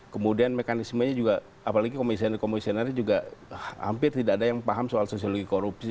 kemudian mekanismenya juga apalagi komisioner komisioner juga hampir tidak ada yang paham soal sosiologi korupsi